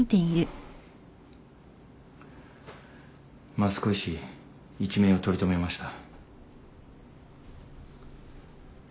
益子医師一命を取り留めました。